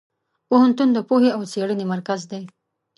پوهنتون د پوهې او څېړنې مرکز دی.